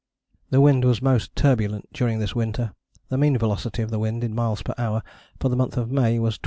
The wind was most turbulent during this winter. The mean velocity of the wind, in miles per hour, for the month of May was 24.